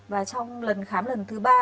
và trong lần khám lần thứ ba